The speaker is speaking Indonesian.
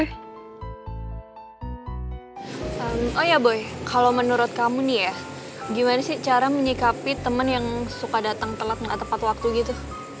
oh ya boy kalau menurut kamu nih ya gimana sih cara menyikapi teman yang suka datang telat gak tepat waktu gitu